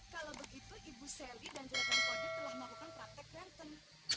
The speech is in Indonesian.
kalau begitu ibu sally dan juragan kodir telah melakukan praktek renten